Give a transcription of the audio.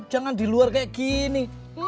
jangan di luar kayak gini